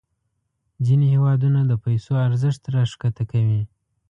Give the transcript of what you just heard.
ځینې هیوادونه د پیسو ارزښت راښکته کوي.